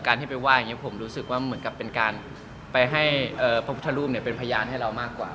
ที่ไปไหว้อย่างนี้ผมรู้สึกว่าเหมือนกับเป็นการไปให้พระพุทธรูปเป็นพยานให้เรามากกว่า